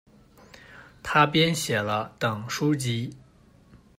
他编写了《》等书籍。